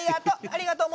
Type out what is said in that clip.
ありがとう。